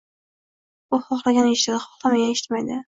U xohlagan eshitadi, xohlamagan eshitmaydi.